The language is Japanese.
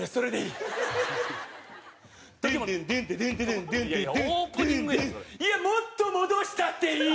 いやもっと戻したっていい。